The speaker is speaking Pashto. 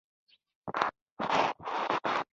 باید سړک یو یا دوه کلونه کار ورکړي.